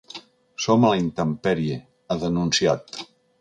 Som a la intempèrie, ha denunciat.